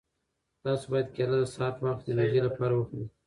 تاسو باید کیله د سهار په وخت کې د انرژۍ لپاره وخورئ.